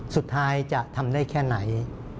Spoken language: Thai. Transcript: สุดท้ายจะทำได้แค่ไหน